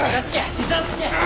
膝つけ！